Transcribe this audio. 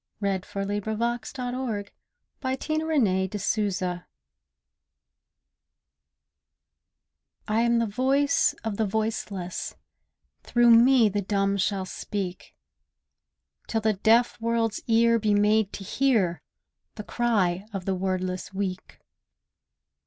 (Ah, well a day.) THE VOICE OF THE VOICELESS I am the voice of the voiceless; Through me the dumb shall speak; Till the deaf world's ear be made to hear The cry of the wordless weak.